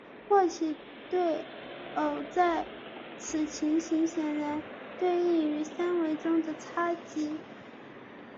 霍奇对偶在此情形显然对应于三维中的叉积。